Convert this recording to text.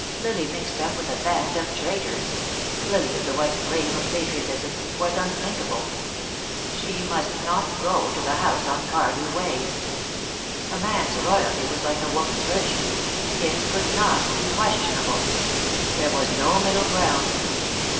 Lily mixed up with a band of traitors, Lily of the white flame of patriotism, was unthinkable. She must not go to the house on Cardew Way. A man's loyalty was like a woman's virtue; it could not be questionable. There was no middle ground.